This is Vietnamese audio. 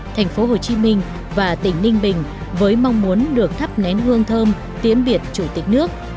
thành phố hồ chí minh và tỉnh ninh bình với mong muốn được thắp nén hương thơm tiến biệt chủ tịch nước